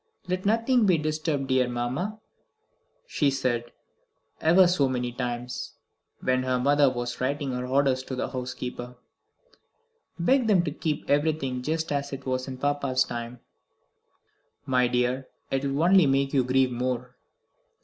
"Let nothing be disturbed, dear mamma," she had said ever so many times, when her mother was writing her orders to the housekeeper. "Beg them to keep everything just as it was in papa's time." "My dear, it will only make you grieve more."